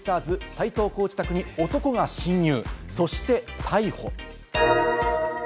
斎藤コーチ宅に男が侵入、そして逮捕。